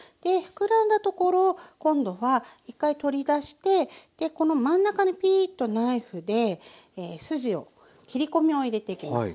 膨らんだところ今度は１回取り出してこの真ん中にピーッとナイフで筋を切り込みを入れてきます。